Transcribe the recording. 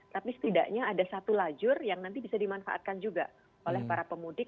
tapi setidaknya ada satu lajur yang nanti bisa dimanfaatkan juga oleh para pemudik